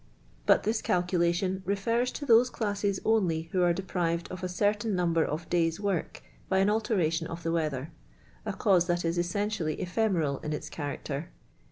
But this calculation refers to those classes only who are deprived of a ceruiin number of tiii.\i' work by an alteration of the weatiier. a cause that is essentialiy > i hnv.ral in its character.